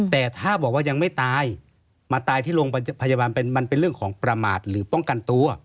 แต่ถ้าบอกว่ายังไม่ตายมาตายที่โรงพยาบาลเป็นมันเป็นเรื่องของประมาทหรือป้องกันตัว